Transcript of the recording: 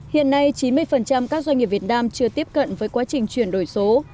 hiện nay chín mươi các doanh nghiệp việt nam chưa tiếp cận với quá trình chuyển đổi số